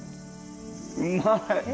うまい！